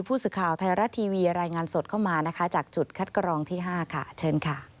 ผู้สือข่าวใทยรัชทีวีรายงานสดเข้ามาจากจุดคัดกรองที่๕